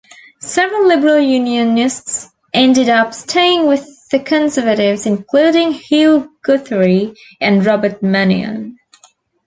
Several Liberal-Unionists ended up staying with the Conservatives including Hugh Guthrie and Robert Manion.